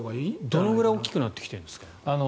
どのぐらい大きくなってきているんですか？